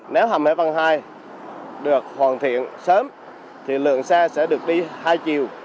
nếu hầm hải vân hai được hoàn thiện sớm thì lượng xe sẽ được đi hai chiều